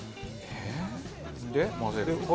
で混ぜる。